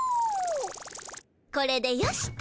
これでよしと。